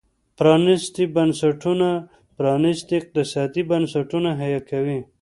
پرانيستي بنسټونه پرانيستي اقتصادي بنسټونه حیه کوي.